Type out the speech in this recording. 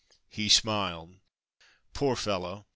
He smiled. Poor fellow